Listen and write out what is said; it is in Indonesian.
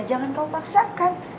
jangan kamu paksakan